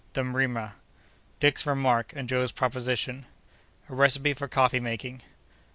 —The Mrima.—Dick's Remark and Joe's Proposition.—A Recipe for Coffee making.